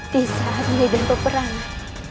di saat ini dalam peperangan